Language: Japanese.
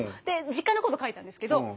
で実家のこと書いたんですけど。